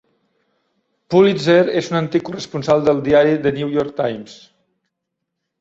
Pulitzer és un antic corresponsal del diari "The New York Times".